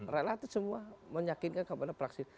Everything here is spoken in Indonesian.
relatif semua menyakinkan kemana praksi